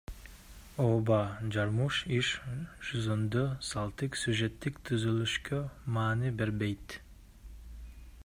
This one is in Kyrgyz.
Ооба, Жармуш иш жүзүндө салттык сюжеттик түзүлүшкө маани бербейт.